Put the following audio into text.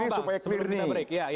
ini supaya clear nih